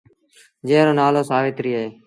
جݩهݩ رو نآلو سآويتريٚ اهي ۔